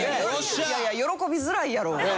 いやいや喜びづらいやろう。